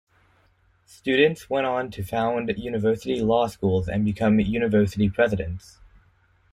Students went on to found university law schools and become university presidents.